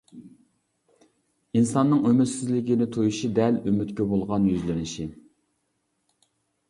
ئىنساننىڭ ئۈمىدسىزلىكنى تۇيۇشى دەل ئۈمىدكە بولغان يۈزلىنىشى.